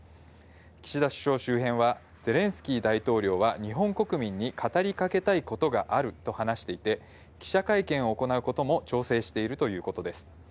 岸田首相周辺は、ゼレンスキー大統領は日本国民に語りかけたいことがあると話していて、記者会見を行うことも調整しているということです。